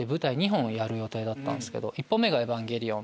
１本目が『エヴァンゲリオン』。